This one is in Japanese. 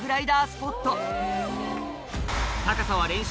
スポット